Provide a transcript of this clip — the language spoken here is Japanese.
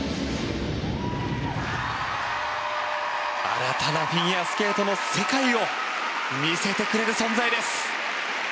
新たなフィギュアスケートの世界を見せてくれる存在です。